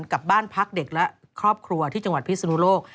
กับบ้านพักเด็กและครอบครัวที่จังหวัดพิศนุโลก